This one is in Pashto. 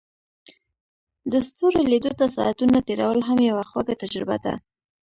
د ستورو لیدو ته ساعتونه تیرول هم یوه خوږه تجربه ده.